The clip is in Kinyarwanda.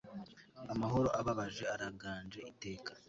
Amahoro ababaje araganje iteka